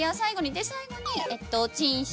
で最後にチンして。